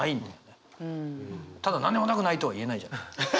ただなんでもなくないとは言えないじゃない。